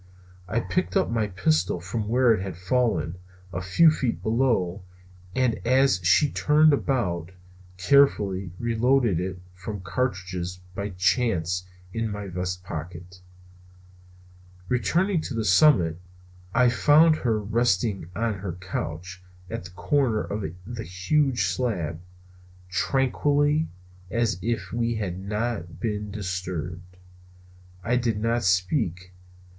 I picked up my pistol from where it had fallen, a few feet below, and as she turned about, carefully reloaded it from cartridges by chance in my vest pocket. Returning to the summit, I found her again resting on her couch at the corner of the huge slab, tranquilly as if we had not been disturbed. I did not speak.